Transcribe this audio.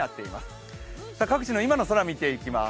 各地の今の空見ていきます。